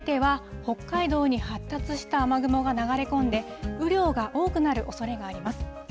そしてこのあと、夜にかけては、北海道に発達した雨雲が流れ込んで、雨量が多くなるおそれがあります。